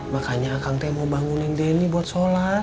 makanya akang teh mau bangunin deni buat shalat